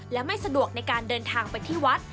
และไม่สะดวกในการเดินทางไปที่วัด